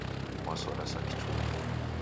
Wasoda sa kichula.